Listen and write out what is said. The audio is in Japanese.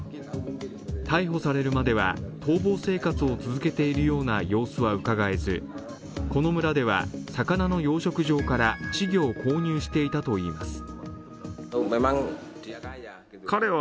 逮捕されるまでは逃亡生活を続けているような様子はうかがえずこの村では魚の養殖場から稚魚を購入していたといいます。